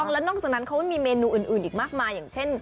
และนอกจากนั้นเขามีเมนูอื่นอื่นอีกมากมายังเช่น